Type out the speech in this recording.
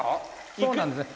そうなんですね。